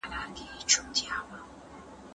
اعتدال د بریالیتوب کیلي ده.